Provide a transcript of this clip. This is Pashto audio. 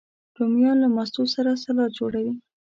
رومیان له ماستو سره سالاد جوړوي